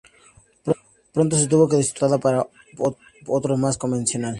Pronto se tuvo que sustituir la portada por otra más convencional.